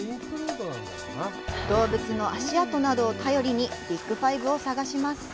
動物の足跡などを頼りにビッグ５を探します。